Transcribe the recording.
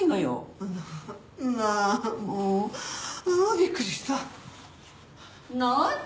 ああびっくりした。